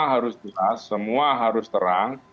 harus jelas semua harus terang